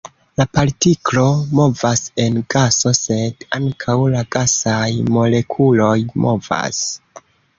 La partiklo movas en gaso, sed ankaŭ la gasaj molekuloj movas.